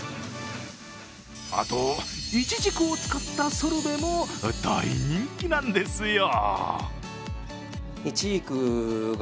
あと、いちじくを使ったソルベも大人気なんですよ。